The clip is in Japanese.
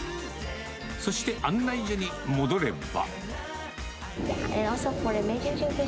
そして、案内所に戻れば。